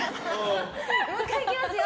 もう１回いきますよ。